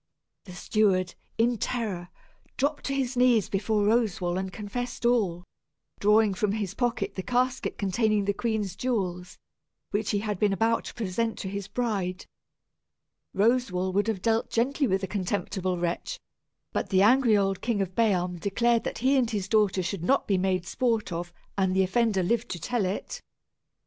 The steward, in terror, dropped upon his knees before Roswal and confessed all, drawing from his pocket the casket containing the queen's jewels, which he had been about to present to his bride. Roswal would have dealt gently with the contemptible wretch, but the angry old King of Bealm declared that he and his daughter should not be made sport of, and the offender live to tell it.